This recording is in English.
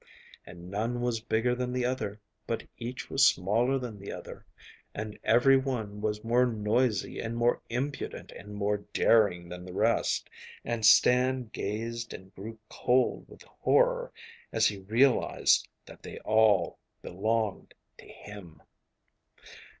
And none was bigger than the other, but each was smaller than the other, and every one was more noisy and more impudent and more daring than the rest, and Stan gazed and grew cold with horror as he realised that they all belonged to him.